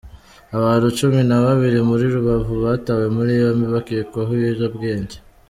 Abantu Cumi nababiri muri Rubavu batawe muri yombi bakekwaho ibiyobyabwenge